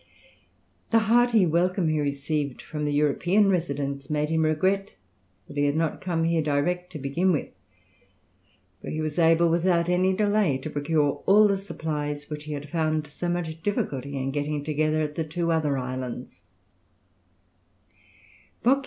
The hearty welcome he received from the European residents made him regret that he had not come here direct to begin with; for he was able without any delay to procure all the supplies which he had found so much difficulty in getting together at the two other islands.